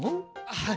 はい。